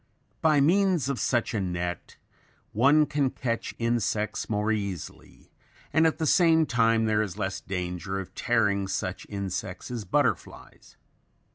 By means of such a net one can catch insects more easily and at the same time there is less danger of tearing such insects as butterflies.